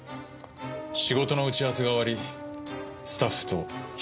仕事の打ち合わせが終わりスタッフと７時過ぎまで食事